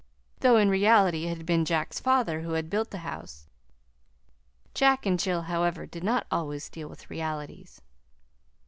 (Though in reality it had been Jack's father who had built the house. Jack and Jill, however, did not always deal with realities.)